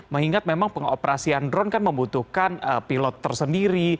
mengingat memang pengoperasian drone kan membutuhkan pilot tersendiri